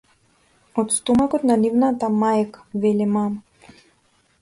Од стомакот на нивната мајка, вели мама.